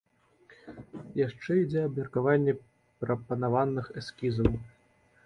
Яшчэ ідзе абмеркаванне прапанаваных эскізаў.